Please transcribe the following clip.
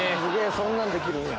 そんなんできるんや。